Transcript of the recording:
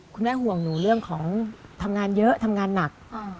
ห่วงหนูเรื่องของทำงานเยอะทำงานหนัก